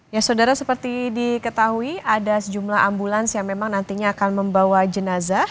ya saudara seperti diketahui ada sejumlah ambulans yang memang nantinya akan membawa jenazah